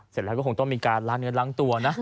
เสร็จแล้วก็คงต้องมีการล้างเนื้อล้างตัวนะ